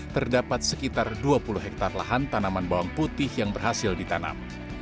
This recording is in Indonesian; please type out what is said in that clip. terdapat sekitar dua puluh hektare lahan tanaman bawang putih yang berhasil ditanam